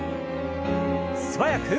素早く。